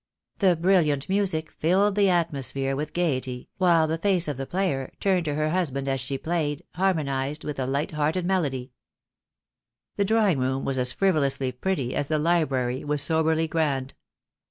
The brilliant music filled the atmosphere with gaiety, while the face of the player, turned to her hus band as she played, harmonized with the light hearted melody. The drawing room was as frivolously pretty as the library was soberly grand.